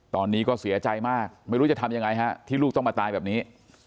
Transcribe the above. ตอนนี้ก็เสียใจมากไม่รู้จะทำยังไงฮะที่ลูกต้องมาตายแบบนี้